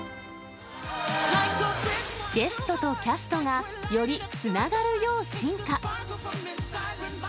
ゲストとキャストがよりつながるよう進化。